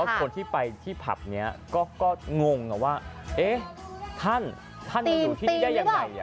ผมว่าคนที่ไปที่ผับนี้ก็งงว่าท่านอยู่ที่นี่ได้ยังไง